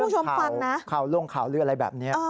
อาจจะเรื่องข่าวล่วงข่าวหรืออะไรแบบนี้